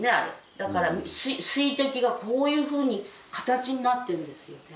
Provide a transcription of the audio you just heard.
だから水滴がこういうふうに形になってるんですよね。